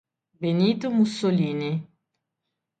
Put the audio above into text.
Benito Mussolini.